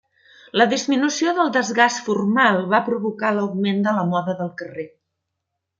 La disminució del desgast formal va provocar l'augment de la moda del carrer.